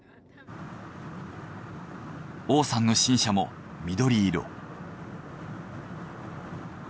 王さんの新車も緑色。